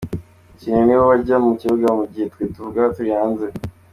Abakinnyi nibo bajya mu kibuga mu gihe twe tuvuga turi hanze.